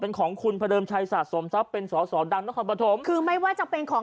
เป็นของคุณพระเดิมชัยสะสมทรัพย์เป็นสอสอดังนครปฐมคือไม่ว่าจะเป็นของ